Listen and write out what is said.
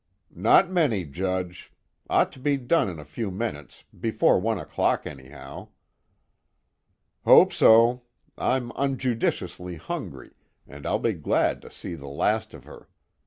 "Not many, Judge. Ought to be done in a few minutes, before one o'clock anyhow." "Hope so I'm unjudicially hungry and I'll be glad to see the last of her.